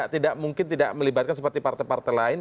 tidak mungkin tidak melibatkan seperti partai partai lain